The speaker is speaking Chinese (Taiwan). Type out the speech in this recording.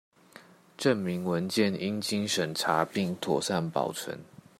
證明文件應經審查並妥善保存